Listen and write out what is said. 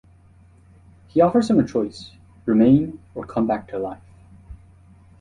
He offers him a choice: remain or come back to life.